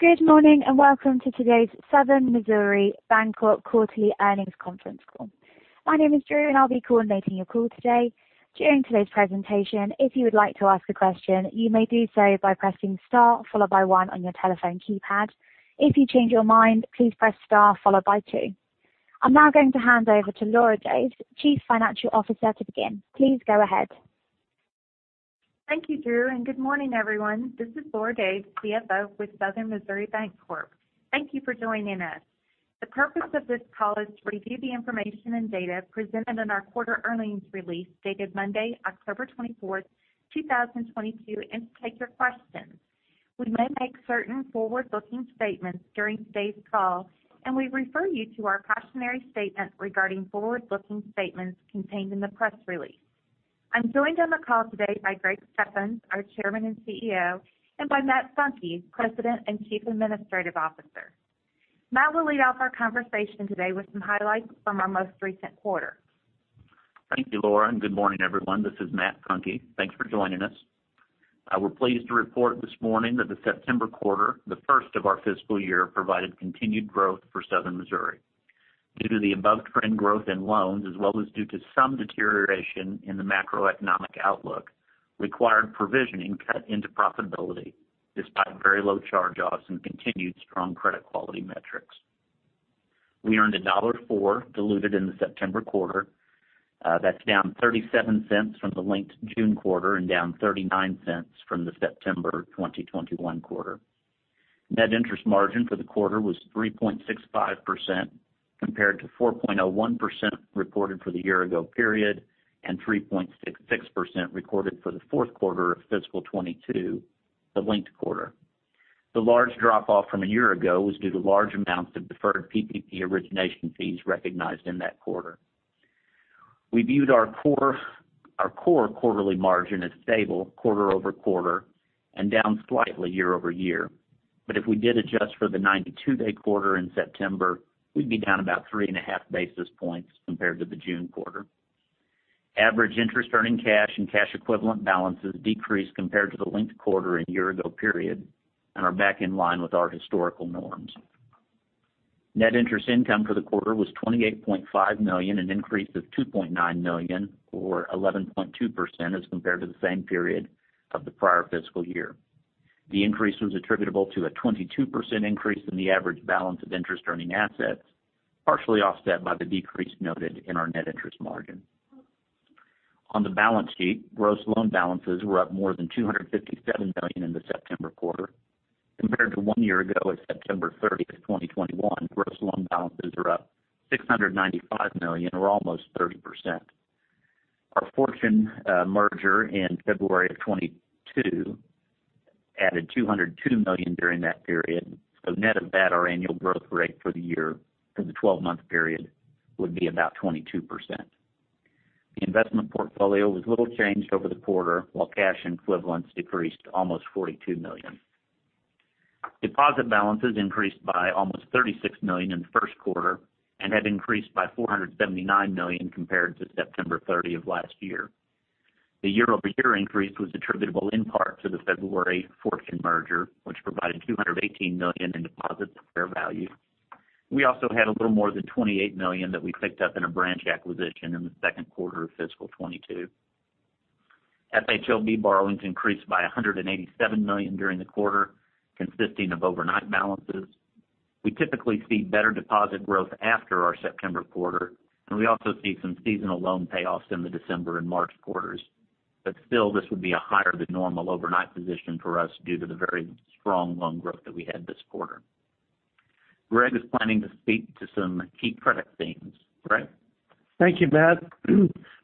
Good morning, and welcome to today's Southern Missouri Bancorp Quarterly Earnings Conference Call. My name is Drew. I'll be coordinating your call today. During today's presentation, if you would like to ask a question, you may do so by pressing star followed by one on your telephone keypad. If you change your mind, please press star followed by two. I'm now going to hand over to Lora Daves, Chief Financial Officer, to begin. Please go ahead. Thank you, Drew, and good morning, everyone. This is Lora Daves, CFO with Southern Missouri Bancorp. Thank you for joining us. The purpose of this call is to review the information and data presented in our quarterly earnings release dated Monday, October 24th, 2022, and to take your questions. We may make certain forward-looking statements during today's call, and we refer you to our cautionary statement regarding forward-looking statements contained in the press release. I'm joined on the call today by Greg Steffens, our Chairman and CEO, and by Matt Funke, President and Chief Administrative Officer. Matt will lead off our conversation today with some highlights from our most recent quarter. Thank you, Lora, and good morning, everyone. This is Matt Funke. Thanks for joining us. We're pleased to report this morning that the September quarter, the first of our fiscal year, provided continued growth for Southern Missouri. Due to the above-trend growth in loans, as well as due to some deterioration in the macroeconomic outlook, required provisioning cut into profitability, despite very low charge-offs and continued strong credit quality metrics. We earned $1.04 diluted in the September quarter. That's down $0.37 from the linked June quarter and down $0.39 from the September 2021 quarter. Net interest margin for the quarter was 3.65% compared to 4.01% reported for the year ago period and 3.66% recorded for the fourth quarter of fiscal 2022, the linked quarter. The large drop-off from a year ago was due to large amounts of deferred PPP origination fees recognized in that quarter. We viewed our core quarterly margin as stable quarter-over-quarter and down slightly year-over-year. If we did adjust for the 92-day quarter in September, we'd be down about 3.5 basis points compared to the June quarter. Average interest earning cash and cash equivalent balances decreased compared to the linked quarter and year ago period and are back in line with our historical norms. Net interest income for the quarter was $28.5 million, an increase of $2.9 million or 11.2% as compared to the same period of the prior fiscal year. The increase was attributable to a 22% increase in the average balance of interest-earning assets, partially offset by the decrease noted in our net interest margin. On the balance sheet, gross loan balances were up more than $257 million in the September quarter. Compared to one year ago at September 30, 2021, gross loan balances are up $695 million or almost 30%. Our Fortune merger in February of 2022 added $202 million during that period. Net of that, our annual growth rate for the year, for the 12-month period, would be about 22%. The investment portfolio was little changed over the quarter, while cash equivalents decreased almost $42 million. Deposit balances increased by almost $36 million in the first quarter and have increased by $479 million compared to September 30 of last year. The year-over-year increase was attributable in part to the February Fortune merger, which provided $218 million in deposit fair value. We also had a little more than $28 million that we picked up in a branch acquisition in the second quarter of fiscal 2022. FHLB borrowings increased by $187 million during the quarter, consisting of overnight balances. We typically see better deposit growth after our September quarter, and we also see some seasonal loan payoffs in the December and March quarters. Still, this would be a higher than normal overnight position for us due to the very strong loan growth that we had this quarter. Greg is planning to speak to some key credit themes. Greg. Thank you, Matt.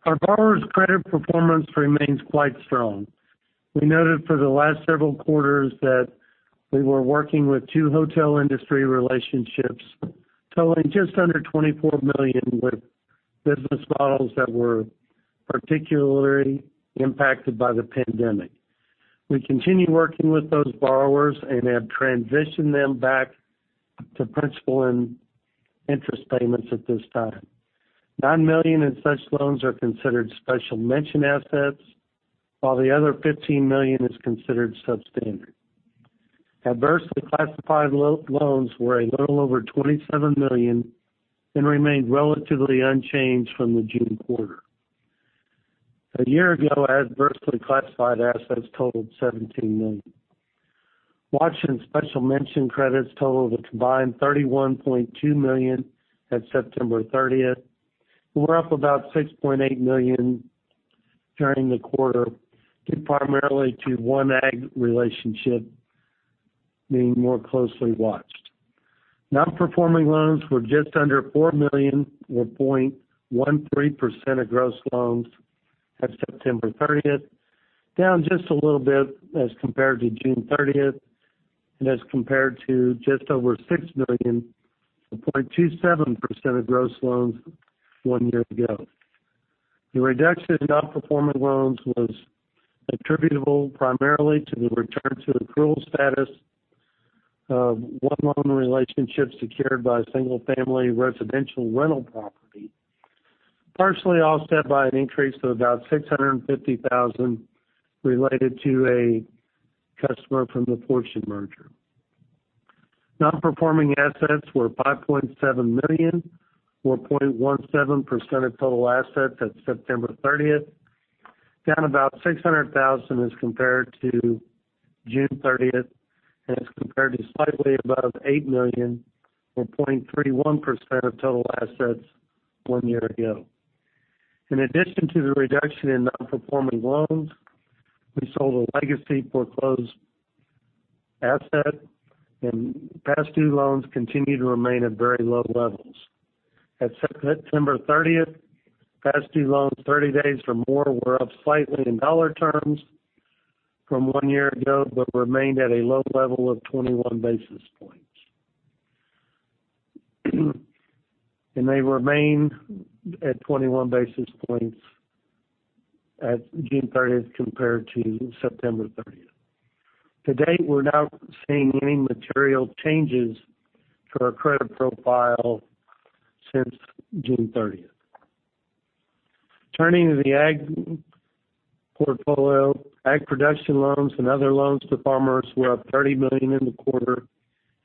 Our borrower's credit performance remains quite strong. We noted for the last several quarters that we were working with two hotel industry relationships totaling just under $24 million, with business models that were particularly impacted by the pandemic. We continue working with those borrowers and have transitioned them back to principal and interest payments at this time. $9 million in such loans are considered special mention assets, while the other $15 million is considered substandard. Adversely classified loans were a little over $27 million and remained relatively unchanged from the June quarter. A year ago, adversely classified assets totaled $17 million. Watched and special mention credits totaled a combined $31.2 million at September thirtieth. We're up about $6.8 million during the quarter, due primarily to one ag relationship being more closely watched. Non-performing loans were just under $4 million, or 0.13% of gross loans at September 30, down just a little bit as compared to June 30 and as compared to just over $6 million or 0.27% of gross loans one year ago. The reduction in non-performing loans was attributable primarily to the return to approval status of one loan relationship secured by a single-family residential rental property. Partially offset by an increase to about $650,000 related to a customer from the Fortune merger. Non-performing assets were $5.7 million, or 0.17% of total assets at September 30, down about $600,000 as compared to June 30, and as compared to slightly above $8 million or 0.31% of total assets one year ago. In addition to the reduction in non-performing loans, we sold a legacy foreclosed asset, and past due loans continue to remain at very low levels. At September 30, past due loans 30 days or more were up slightly in dollar terms from one year ago, but remained at a low level of 21 basis points. They remained at 21 basis points at June 30 compared to September 30. To date, we're not seeing any material changes to our credit profile since June 30. Turning to the ag portfolio. Ag production loans and other loans to farmers were up $30 million in the quarter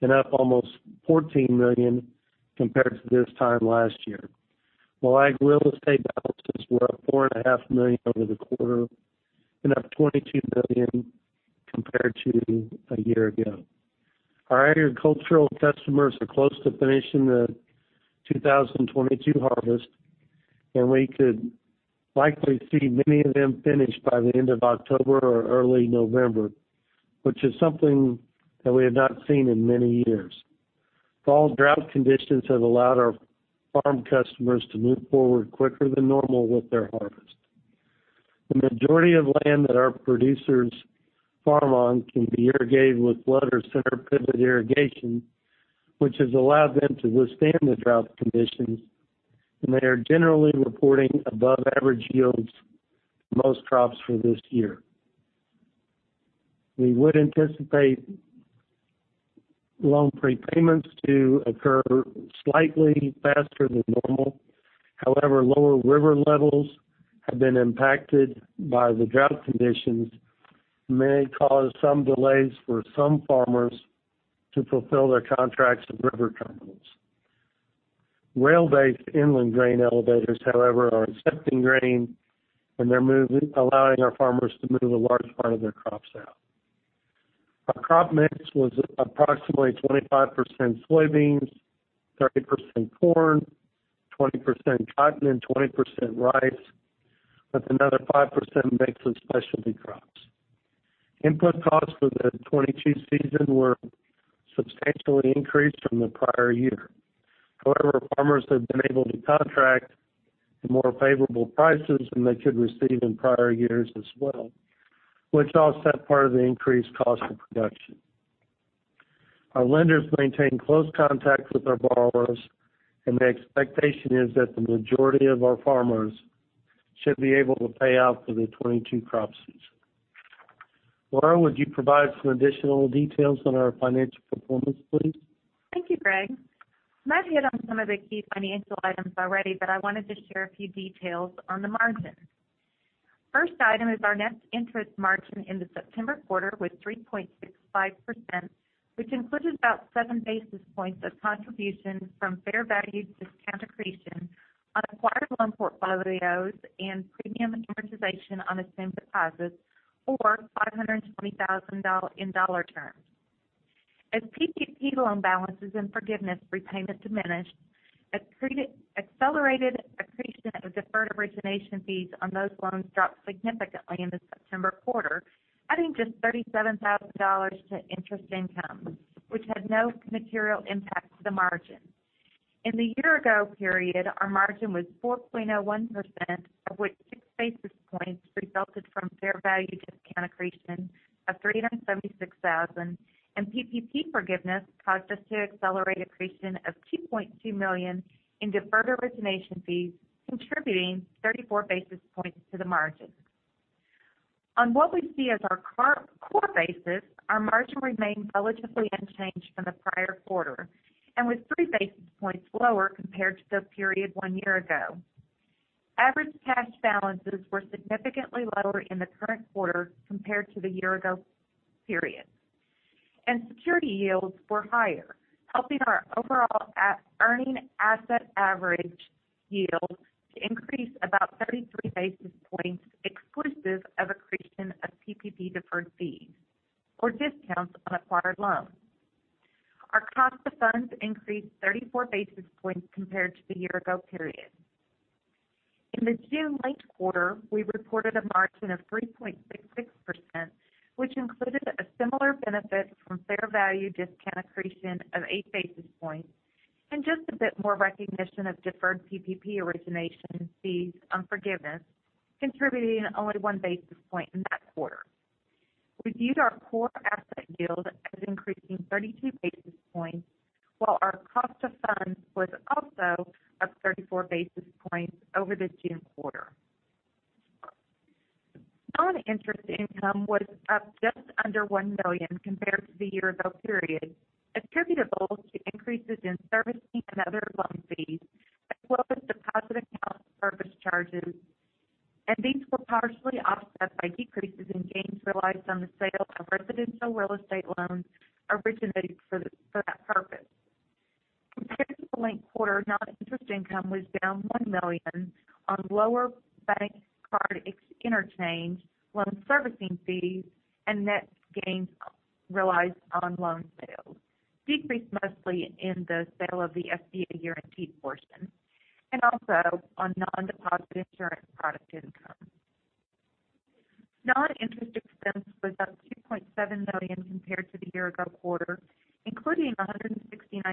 and up almost $14 million compared to this time last year, while ag real estate balances were up $4.5 million over the quarter and up $22 million compared to a year ago. Our agricultural customers are close to finishing the 2022 harvest, and we could likely see many of them finish by the end of October or early November, which is something that we have not seen in many years. Fall drought conditions have allowed our farm customers to move forward quicker than normal with their harvest. The majority of land that our producers farm on can be irrigated with flood or center pivot irrigation, which has allowed them to withstand the drought conditions, and they are generally reporting above average yields for most crops for this year. We would anticipate loan prepayments to occur slightly faster than normal. However, lower river levels have been impacted by the drought conditions, may cause some delays for some farmers to fulfill their contracts with river terminals. Rail-based inland grain elevators, however, are accepting grain, and they're allowing our farmers to move a large part of their crops out. Our crop mix was approximately 25% soybeans, 30% corn, 20% cotton, and 20% rice, with another 5% mix of specialty crops. Input costs for the 2022 season were substantially increased from the prior year. However, farmers have been able to contract at more favorable prices than they could receive in prior years as well, which offset part of the increased cost of production. Our lenders maintain close contacts with our borrowers, and the expectation is that the majority of our farmers should be able to pay out for the 2022 crop season. Lora, would you provide some additional details on our financial performance, please? Thank you, Greg. Matt hit on some of the key financial items already, but I wanted to share a few details on the margin. First item is our net interest margin in the September quarter was 3.65%, which included about 7 basis points of contribution from fair value discount accretion on acquired loan portfolios and premium amortization on assumed deposits, or $520,000 in dollar terms. As PPP loan balances and forgiveness repayment diminished, accelerated accretion of deferred origination fees on those loans dropped significantly in the September quarter, adding just $37,000 to interest income, which had no material impact to the margin. In the year ago period, our margin was 4.01%, of which 6 basis points resulted from fair value discount accretion of $376,000, and PPP forgiveness caused us to accelerate accretion of $2.2 million in deferred origination fees, contributing 34 basis points to the margin. On what we see as our core basis, our margin remained relatively unchanged from the prior quarter and was 3 basis points lower compared to the period one year ago. Average cash balances were significantly lower in the current quarter compared to the year ago period. Securities yields were higher, helping our overall earning asset average yield to increase about 33 basis points exclusive of accretion of PPP deferred fees or discounts on acquired loans. Our cost of funds increased 34 basis points compared to the year ago period. In the June quarter, we reported a margin of 3.66%, which included a similar benefit from fair value discount accretion of 8 basis points and just a bit more recognition of deferred PPP origination fees from forgiveness, contributing only 1 basis point in that quarter. We viewed our core asset yield as increasing 32 basis points, while our cost of funds was also up 34 basis points over the June quarter. Noninterest income was up just under $1 million compared to the year ago period, attributable to increases in servicing and other loan fees, as well as deposit account service charges. These were partially offset by decreases in gains realized on the sale of residential real estate loans originated for that purpose. Compared to the linked quarter, non-interest income was down $1 million on lower bank card ex-interchange, loan servicing fees and net gains realized on loan sales, decreased mostly in the sale of the USDA guaranteed portion and also on non-deposit insurance product income. Non-interest expense was up $2.7 million compared to the year ago quarter, including $169,000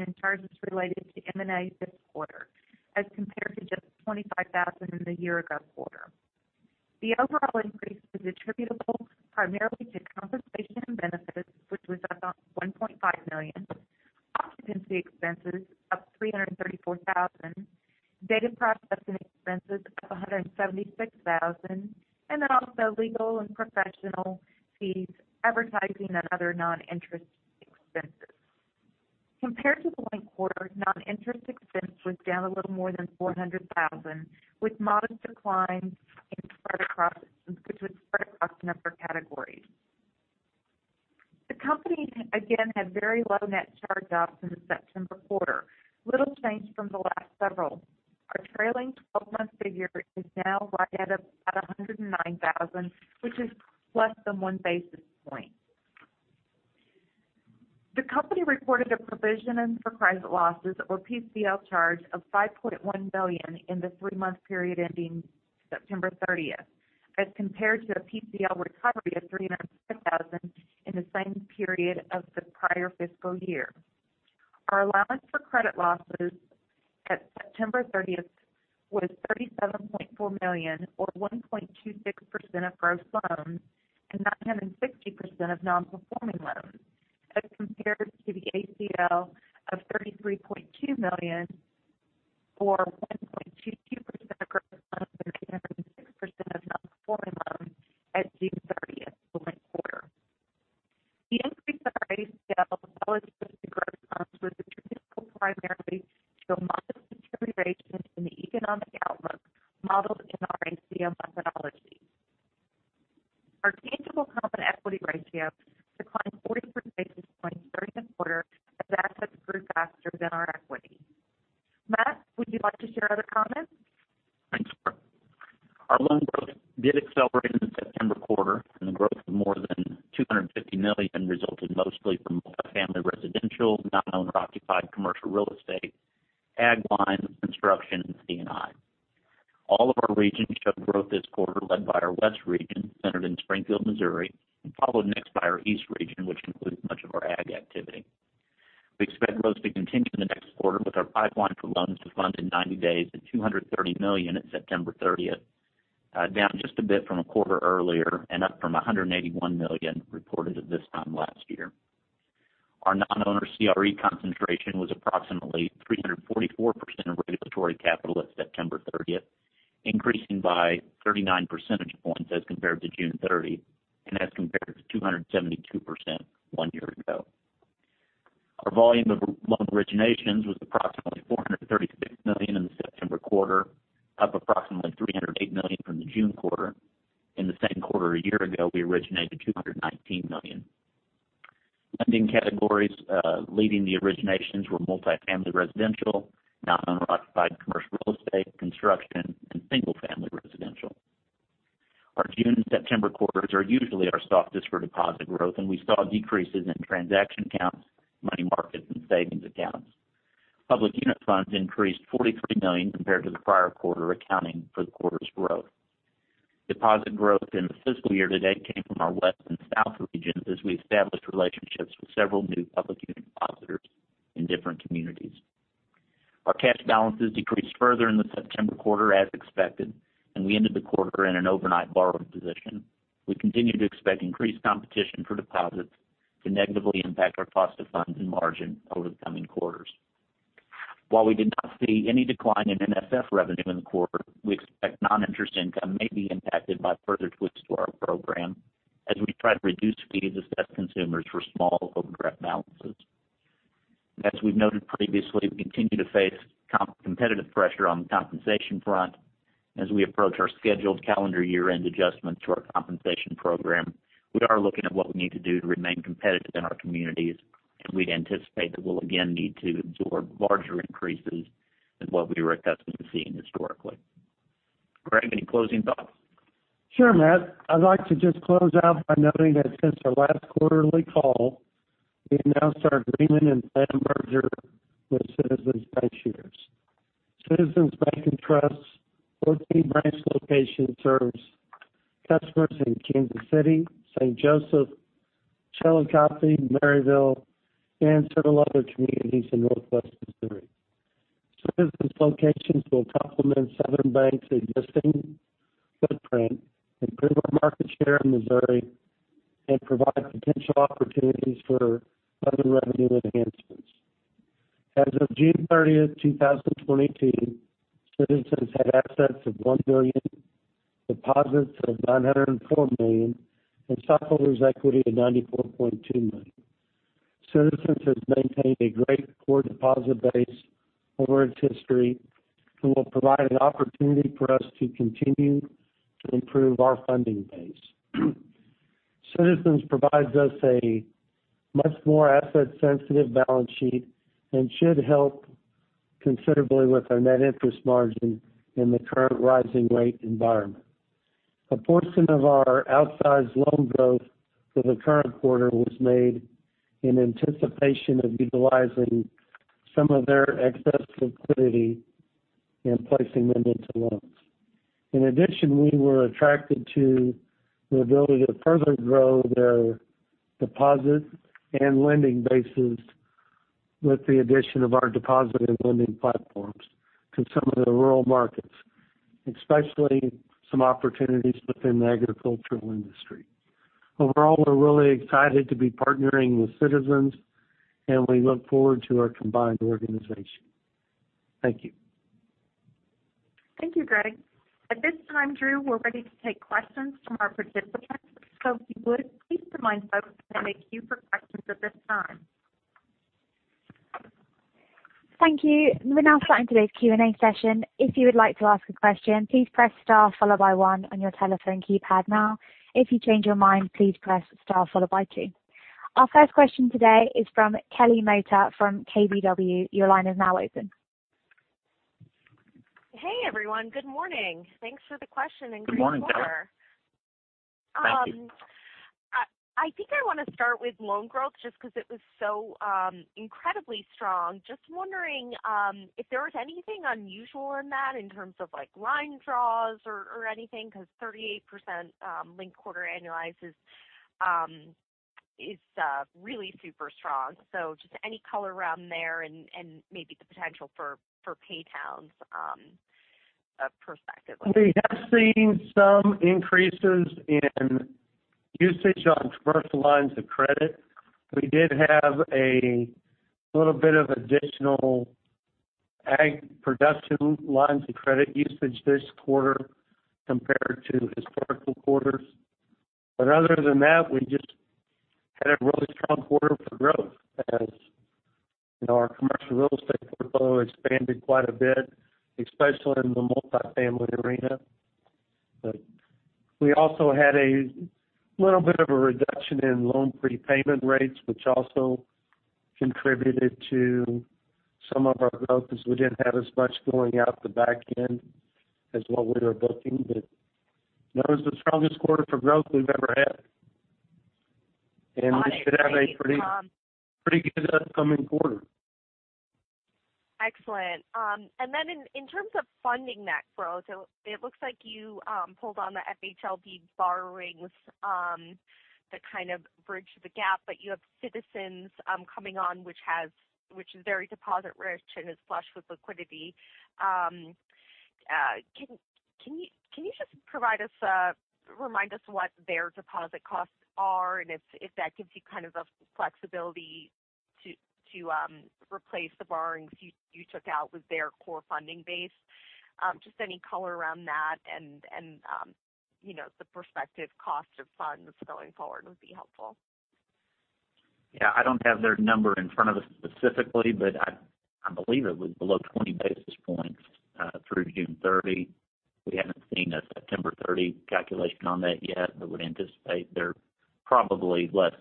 in charges related to M&A this quarter, as compared to just $25,000 in the year ago quarter. The overall increase was attributable primarily to compensation and benefits, which was up $1.5 million, occupancy expenses up $334,000, data processing expenses up $176,000, and then also legal and professional fees, advertising and other non-interest expenses. Compared to the linked quarter, non-interest expense was down a little more than $400,000, with modest declines spread across a number of categories. The company, again, had very low net charge-offs in the September quarter. Little change from the last several. Our trailing twelve-month figure is now right at $109,000, which is less than one basis point. The company reported a provision for credit losses, or PCL charge, of $5.1 million in the three-month period ending September thirtieth, as compared to a PCL recovery of $300,000 in the same period of the prior fiscal year. Our allowance for credit losses at September 30 was $37.4 million, or 1.26% of gross loans and 960% of non-performing loans, as compared to the ACL of $33.2 million, or 1.22% of gross loans and 806% of non-performing loans at June 30, the linked quarter. The increase in our ACL as well as gross loans was attributable primarily to a modest deterioration in the economic outlook modeled in our ACL methodology. Our tangible common equity ratio declined 40 basis points during the quarter as assets grew faster than our equity. Matt, would you like to share other comments? Thanks, Lora. Our loan growth did accelerate in the September quarter, and the growth of more than $250 million resulted mostly from multifamily residential, non-owner occupied commercial real estate, ag lines, construction, and C&I. All of our regions showed growth this quarter, led by our west region, centered in Springfield, Missouri, and followed next by our east region, which includes much of our ag activity. We expect growth to continue in the next quarter with our pipeline for loans to fund in 90 days to $230 million at September thirtieth, down just a bit from a quarter earlier and up from $181 million reported at this time last year. Our non-owner CRE concentration was approximately 344% of regulatory capital at September 30th, increasing by 39 percentage points as compared to June 30, and as compared to 272% one year ago. Our volume of loan originations was approximately $436 million in the September quarter, up approximately $308 million from the June quarter. In the same quarter a year ago, we originated $219 million. Lending categories, leading the originations were multifamily residential, non-owner occupied commercial real estate, construction and single-family residential. Our June and September quarters are usually our softest for deposit growth, and we saw decreases in transaction accounts, money markets and savings accounts. Public unit funds increased $43 million compared to the prior quarter, accounting for the quarter's growth. Deposit growth in the fiscal year to date came from our west and south regions, as we established relationships with several new public unit depositors in different communities. Our cash balances decreased further in the September quarter, as expected, and we ended the quarter in an overnight borrowed position. We continue to expect increased competition for deposits to negatively impact our cost of funds and margin over the coming quarters. While we did not see any decline in NSF revenue in the quarter, we expect non-interest income may be impacted by further tweaks to our program as we try to reduce fees assessed consumers for small overdraft balances. As we've noted previously, we continue to face competitive pressure on the compensation front as we approach our scheduled calendar year-end adjustments to our compensation program. We are looking at what we need to do to remain competitive in our communities, and we'd anticipate that we'll again need to absorb larger increases than what we were accustomed to seeing historically. Greg, any closing thoughts? Sure, Matt. I'd like to just close out by noting that since our last quarterly call, we announced our agreement and planned merger with Citizens Bancshares. Citizens Bank and Trust Company's 14-branch location serves customers in Kansas City, St. Joseph, Chillicothe, Maryville, and several other communities in northwest Missouri. Citizens' locations will complement Southern Bank's existing footprint, improve our market share in Missouri, and provide potential opportunities for other revenue enhancements. As of June 30, 2022, Citizens had assets of $1 billion, deposits of $904 million, and stockholders' equity of $94.2 million. Citizens has maintained a great core deposit base over its history, and will provide an opportunity for us to continue to improve our funding base. Citizens provides us a much more asset-sensitive balance sheet and should help considerably with our net interest margin in the current rising rate environment. A portion of our outsized loan growth for the current quarter was made in anticipation of utilizing some of their excess liquidity and placing them into loans. In addition, we were attracted to the ability to further grow their deposit and lending bases with the addition of our deposit and lending platforms to some of the rural markets, especially some opportunities within the agricultural industry. Overall, we're really excited to be partnering with Citizens, and we look forward to our combined organization. Thank you. Thank you, Greg. At this time, Drew, we're ready to take questions from our participants. If you would, please remind folks to unmute you for questions at this time. Thank you. We're now starting today's Q&A session. If you would like to ask a question, please press star followed by one on your telephone keypad now. If you change your mind, please press star followed by two. Our first question today is from Kelly Motta from KBW. Your line is now open. Hey, everyone. Good morning. Thanks for the question. Good morning, Kelly. Great quarter. Thank you. I think I wanna start with loan growth just because it was so incredibly strong. Just wondering if there was anything unusual in that in terms of like line draws or anything because 38% linked-quarter annualized is really super strong. Just any color around there and maybe the potential for paydowns perspective. We have seen some increases in usage on commercial lines of credit. We did have a little bit of additional ag production lines of credit usage this quarter compared to historical quarters. Other than that, we just had a really strong quarter for growth as, you know, our commercial real estate portfolio expanded quite a bit, especially in the multifamily arena. We also had a little bit of a reduction in loan prepayment rates, which also contributed to some of our growth because we didn't have as much going out the back end as what we were booking. That was the strongest quarter for growth we've ever had. We should have a pretty- On it. Great. Pretty good upcoming quarter. Excellent. In terms of funding that growth, it looks like you pulled on the FHLB borrowings that kind of bridged the gap. You have Citizens coming on, which is very deposit rich and is flush with liquidity. Can you just remind us what their deposit costs are and if that gives you kind of the flexibility to replace the borrowings you took out with their core funding base? Just any color around that and, you know, the prospective cost of funds going forward would be helpful. Yeah. I don't have their number in front of us specifically, but I believe it was below 20 basis points through June 30. We haven't seen a September 30 calculation on that yet, but would anticipate they're probably less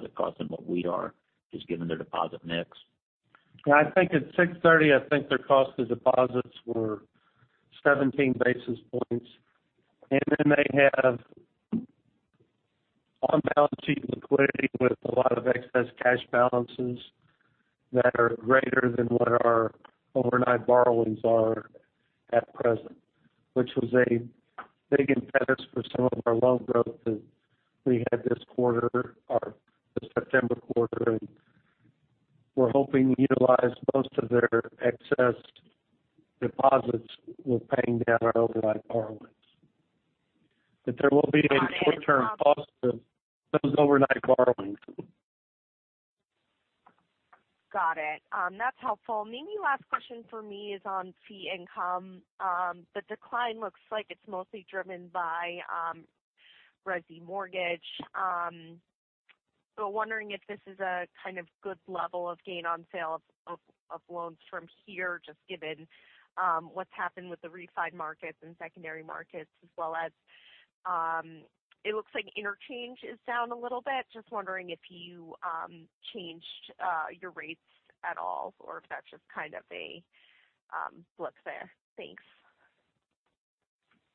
sensitive to rising rates on their deposit cost than what we are, just given their deposit mix. I think at June 30, I think their cost of deposits were 17 basis points. They have on-balance sheet liquidity with a lot of excess cash balances that are greater than what our overnight borrowings are at present, which was a big impetus for some of our loan growth that we had this quarter, or the September quarter. We're hoping to utilize most of their excess deposits with paying down our overnight borrowings. There will be a short-term cost to those overnight borrowings. Got it. That's helpful. Maybe last question for me is on fee income. The decline looks like it's mostly driven by resi mortgage. Wondering if this is a kind of good level of gain on sale of loans from here, just given what's happened with the refi markets and secondary markets as well as it looks like interchange is down a little bit. Just wondering if you changed your rates at all or if that's just kind of a blip there. Thanks.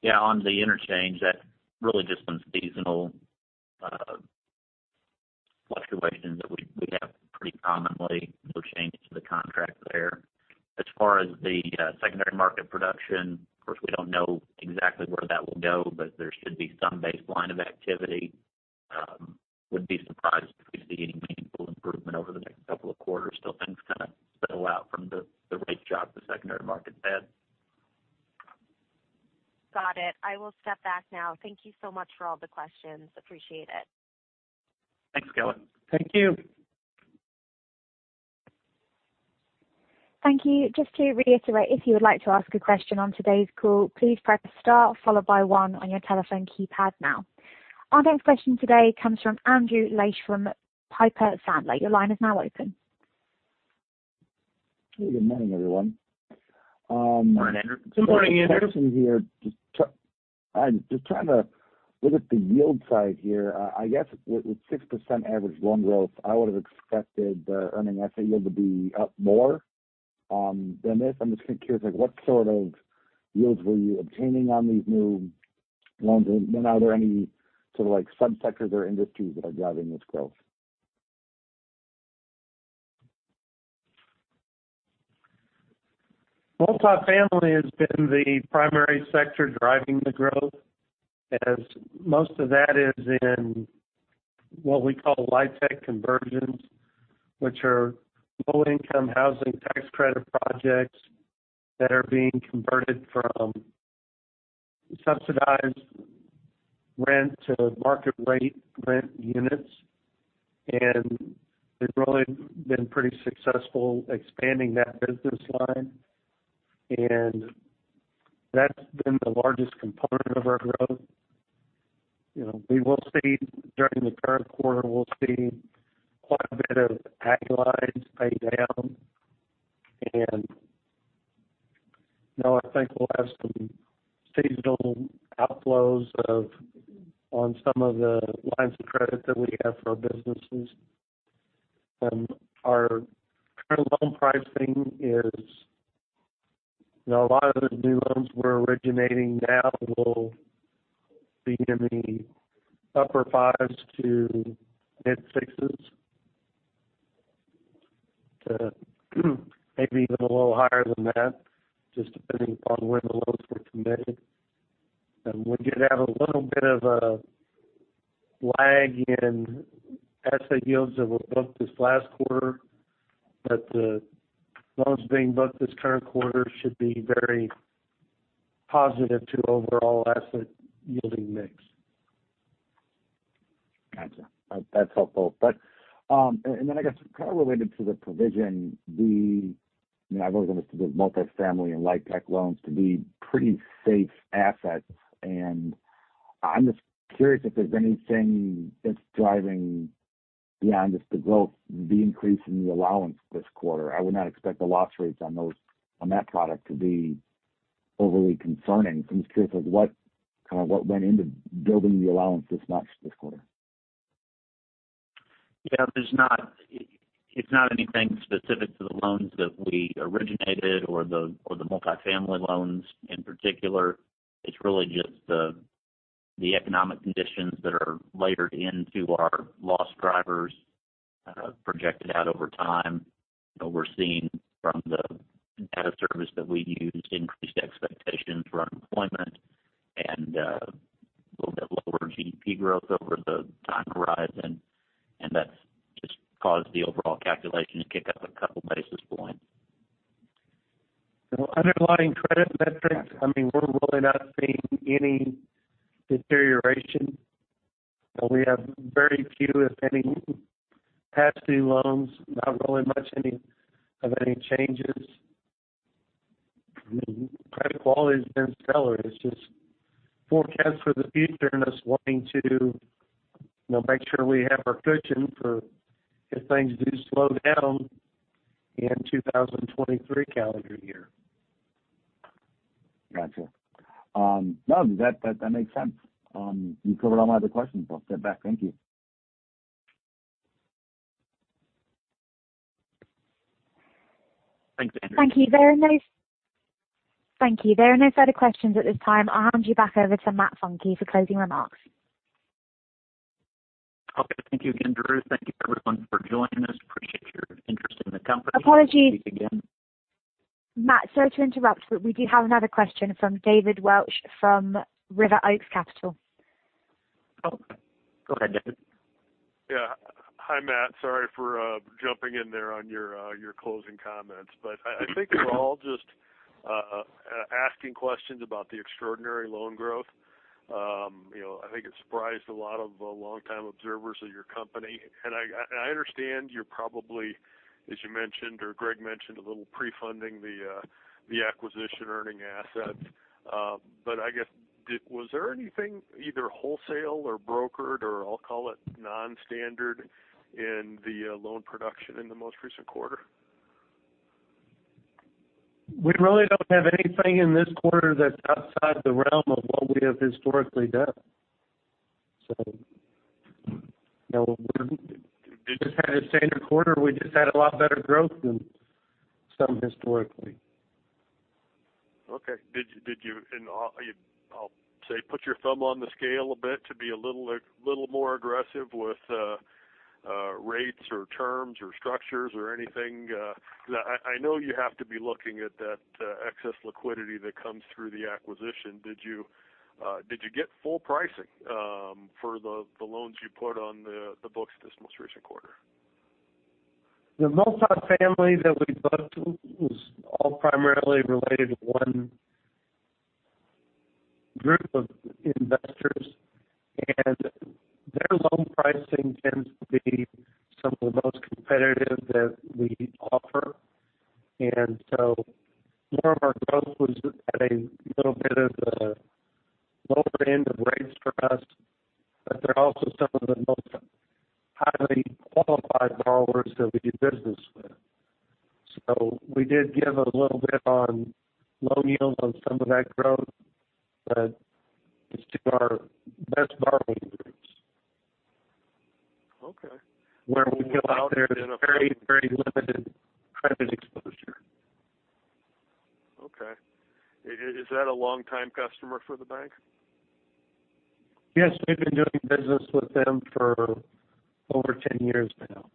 Yeah. On the interchange, that really just been seasonal fluctuations that we have pretty commonly. No change to the contract there. As far as the secondary market production, of course, we don't know exactly where that will go, but there should be some baseline of activity. Wouldn't be surprised if we see any meaningful improvement over the next couple of quarters till things kind of settle out from the rate shock the secondary markets had. Got it. I will step back now. Thank you so much for all the questions. Appreciate it. Thanks, Kelly. Thank you. Thank you. Just to reiterate, if you would like to ask a question on today's call, please press star followed by one on your telephone keypad now. Our next question today comes from Andrew Liesch from Piper Sandler. Your line is now open. Good morning, everyone. Morning, Andrew. Good morning, Andrew. A question here. Just trying to look at the yield side here. I guess with 6% average loan growth, I would have expected the earning asset yield to be up more than this. I'm just curious, like, what sort of yields were you obtaining on these new loans? Are there any sort of like subsectors or industries that are driving this growth? Multifamily has been the primary sector driving the growth, as most of that is in what we call LIHTC conversions, which are low-income housing tax credit projects that are being converted from subsidized rent to market rate rent units. We've really been pretty successful expanding that business line. That's been the largest component of our growth. You know, we will see during the current quarter, we'll see quite a bit of AG lines pay down. You know, I think we'll have some seasonal outflows on some of the lines of credit that we have for our businesses. Our current loan pricing is, you know, a lot of the new loans we're originating now will be in the upper fives to mid sixes. To maybe even a little higher than that, just depending upon when the loans were committed. We did have a little bit of a lag in asset yields that were booked this last quarter, but the loans being booked this current quarter should be very positive to overall asset yield mix. Gotcha. That's helpful. I guess kind of related to the provision. You know, I've always understood the multifamily and LIHTC loans to be pretty safe assets. I'm just curious if there's anything that's driving beyond just the growth, the increase in the allowance this quarter. I would not expect the loss rates on those, on that product to be overly concerning. I'm just curious, like, what kind of what went into building the allowance this much this quarter? Yeah. It, it's not anything specific to the loans that we originated or the multifamily loans in particular. It's really just the economic conditions that are layered into our loss drivers, projected out over time. We're seeing from the data service that we use increased expectations for unemployment and a little bit lower GDP growth over the time horizon, and that's just caused the overall calculation to kick up a couple basis points. The underlying credit metrics, I mean, we're really not seeing any deterioration. We have very few, if any, past due loans, not really much any, of any changes. I mean, credit quality has been stellar. It's just forecasts for the future and us wanting to, you know, make sure we have our cushion for if things do slow down in 2023 calendar year. Gotcha. No, that makes sense. You covered all my other questions. I'll step back. Thank you. Thanks, Andrew. Thank you. There are no further questions at this time. I'll hand you back over to Matt Funke for closing remarks. Okay. Thank you again, Drew. Thank you, everyone, for joining us. Appreciate your interest in the company. Apologies. We'll meet again. Matt, sorry to interrupt, but we do have another question from David Welch from River Oaks Capital. Oh, go ahead, David. Yeah. Hi, Matt. Sorry for jumping in there on your closing comments. I think we're all just asking questions about the extraordinary loan growth. You know, I think it surprised a lot of longtime observers of your company. I understand you're probably, as you mentioned or Greg mentioned, a little pre-funding the acquisition earning assets. I guess was there anything either wholesale or brokered or I'll call it non-standard in the loan production in the most recent quarter? We really don't have anything in this quarter that's outside the realm of what we have historically done. You know, we just had a standard quarter. We just had a lot better growth than some historically. Okay. Did you put your thumb on the scale a bit to be a little more aggressive with rates or terms or structures or anything? Because I know you have to be looking at that excess liquidity that comes through the acquisition. Did you get full pricing for the loans you put on the books this most recent quarter? The multifamily that we booked was all primarily related to one group of investors, and their loan pricing tends to be some of the most competitive that we offer. More of our growth was at a little bit of the lower end of rates for us, but they're also some of the most highly qualified borrowers that we do business with. We did give a little bit on loan yields on some of that growth, but it's two of our best borrowing groups. Okay. Where we feel out there is very, very limited credit exposure. Okay. Is that a long time customer for the bank? Yes, we've been doing business with them for over 10 years now.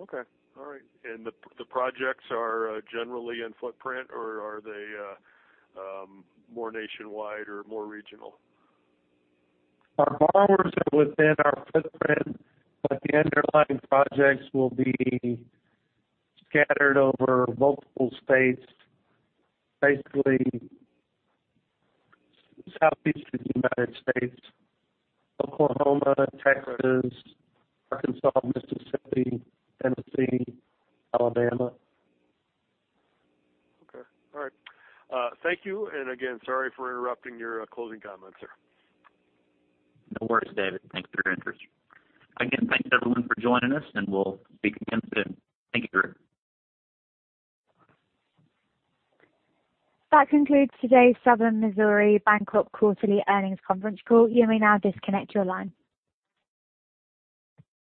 Okay. All right. The projects are generally in footprint or are they more nationwide or more regional? Our borrowers are within our footprint, but the underlying projects will be scattered over multiple states. Basically southeastern United States, Oklahoma, Texas, Arkansas, Mississippi, Tennessee, Alabama. Okay. All right. Thank you. Again, sorry for interrupting your closing comments, sir. No worries, David. Thanks for your interest. Again, thanks everyone for joining us, and we'll speak again soon. Thank you. That concludes today's Southern Missouri Bancorp quarterly earnings conference call. You may now disconnect your line.